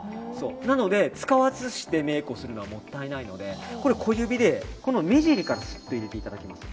なので、使わずしてメイクをするのはもったいないので小指で目尻からすっと入れていただきます。